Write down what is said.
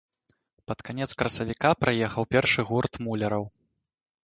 Пад канец красавіка прыехаў першы гурт муляраў.